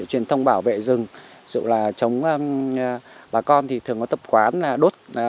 truyền thông bảo vệ rừng dù là chống bà con thì thường có tập quán là đốt